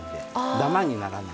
ダマにならない。